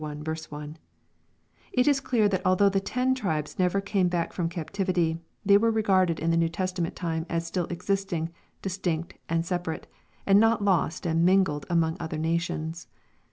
L It is clear that although the ten tribes never came back from captivity, they were regarded in the New Testiiment time as still existing, distinct and separate, and not lost and mingled among other nations.